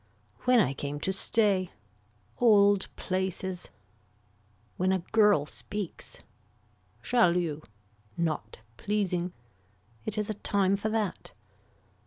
When I came to stay. Old places. When a girl speaks. Shall you. Not pleasing. It is a time for that.